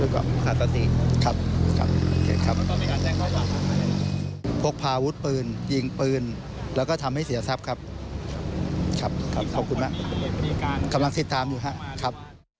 ขอบคุณมากขำลังเสร็จท้ามอยู่ครับ